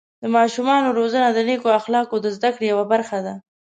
د ماشومانو روزنه د نیکو اخلاقو د زده کړې یوه برخه ده.